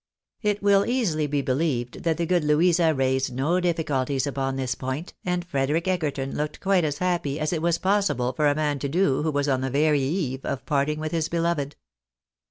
It will easily be believed that the good Louisa raised no diffi culties upon this point, and Frederic Egerton looked quite as happy as it was possible for a man to do who was on the very eve of parting with his beloved.